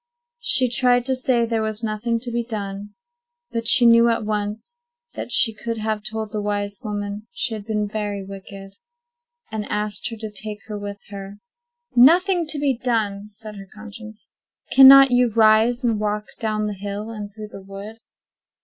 She tried to say there was nothing to be done; but she knew at once that she could have told the wise woman she had been very wicked, and asked her to take her with her. Now there was nothing to be done. "Nothing to be done!" said her conscience. "Cannot you rise, and walk down the hill, and through the wood?"